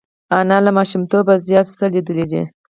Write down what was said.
انا له ماشومتوبه زیات څه لیدلي دي